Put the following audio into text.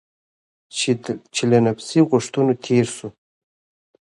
چې له نفسي غوښتنو تېر شو.